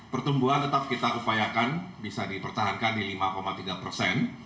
pertumbuhan tetap kita upayakan bisa dipertahankan di lima tiga persen